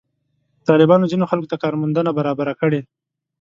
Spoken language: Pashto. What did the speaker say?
طالبانو ځینو خلکو ته کار موندنه برابره کړې.